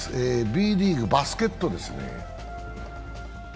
Ｂリーグ、バスケットですね。